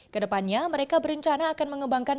kedepannya mereka berencana akan mengembangkan